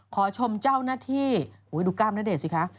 ขอชมเจ้าหน้าที่โอ้ยดูกล้ามน่ะเดชน์สิคะ